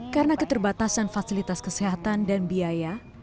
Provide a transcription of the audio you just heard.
karena keterbatasan fasilitas kesehatan dan biaya